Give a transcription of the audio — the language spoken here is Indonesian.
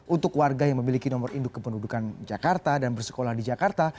untuk warga yang memiliki nomor induk kependudukan jakarta dan bersekolah di jakarta